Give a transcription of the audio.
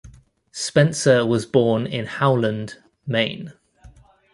Spencer was born in Howland, Maine.